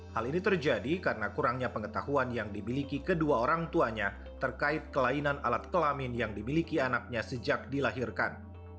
hal ini terjadi karena kurangnya pengetahuan yang dimiliki kedua orang tuanya terkait kelainan alat kelamin yang dimiliki anaknya sejak dilahirkan